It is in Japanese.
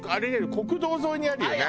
国道沿いにあるよね。